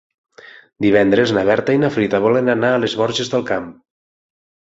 Divendres na Berta i na Frida volen anar a les Borges del Camp.